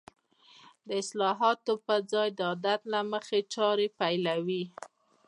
د اصلاحاتو په ځای د عادت له مخې چارې پيلوي.